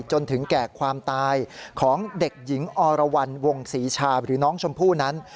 จนถึงแก่ความตายของเด็กหญิงอรวรรณวงศรีชาหรือน้องชมพู่นั้น